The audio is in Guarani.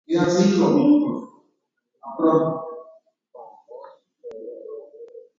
Chupe g̃uarã ohai ñeʼẽpapára Teodoro S.